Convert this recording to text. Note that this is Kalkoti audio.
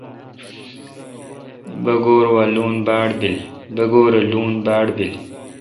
بگور اے لون باڑ بیل۔